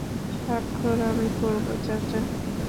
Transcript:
স্বাক্ষর আমি করব, চাচা।